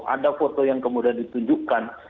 ada foto yang kemudian ditunjukkan